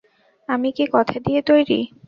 আমি কি কথা দিয়ে তৈরি?